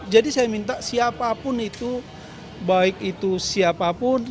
jadi saya minta siapapun itu baik itu siapapun